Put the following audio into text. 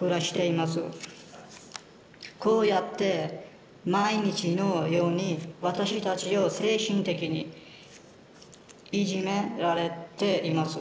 こうやって毎日のように私たちを精神的にいじめられています」。